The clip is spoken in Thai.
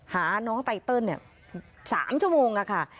หาน้องไตเติล๓ชั่วโมงค่ะ